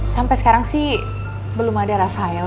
sampai sekarang sih belum ada rafael